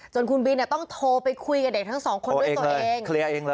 คุณบินต้องโทรไปคุยกับเด็กทั้งสองคนด้วยตัวเองเลย